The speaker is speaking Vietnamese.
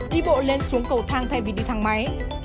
đi bộ lên xuống cầu thang thay vì đi thang máy